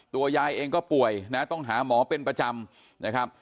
ยายเองก็ป่วยนะต้องหาหมอเป็นประจำนะครับ